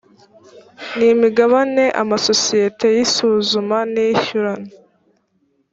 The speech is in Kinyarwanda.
n imigabane amasosiyete y isuzuma n iyishyurana